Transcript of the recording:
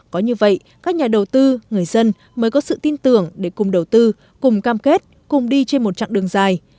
có như vậy các nhà đầu tư người dân mới có sự tin tưởng để cùng đầu tư cùng cam kết cùng đi trên một chặng đường dài